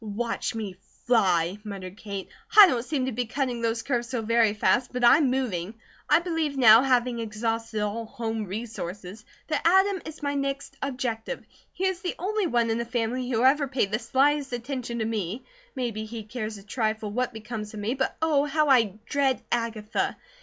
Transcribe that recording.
"Watch me fly!" muttered Kate. "I don't seem to be cutting those curves so very fast; but I'm moving. I believe now, having exhausted all home resources, that Adam is my next objective. He is the only one in the family who ever paid the slightest attention to me, maybe he cares a trifle what becomes of me, but Oh, how I dread Agatha!